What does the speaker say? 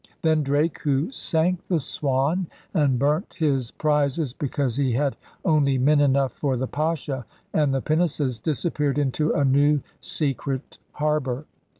Then Drake, who sank the Swan and burnt his prizes because he had only men enough for the Pascha and the pinnaces, disappeared into a new secret harbor.